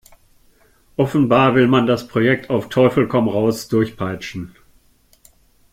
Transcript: Offenbar will man das Projekt auf Teufel komm raus durchpeitschen.